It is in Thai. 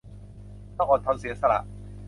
ต้องอดทนเสียสละ